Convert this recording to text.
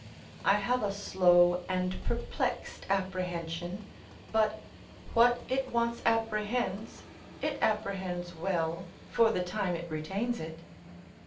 I have a slow and perplexed apprehension, but what it once apprehends, it apprehends well, for the time it retains it.